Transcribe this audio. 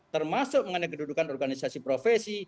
termasuk mengenai kedudukan organisasi profesi